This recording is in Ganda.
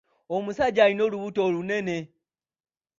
Omusajja alina olubuto olunene.